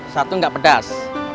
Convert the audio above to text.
satu gak pedas